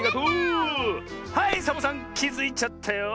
はいサボさんきづいちゃったよ！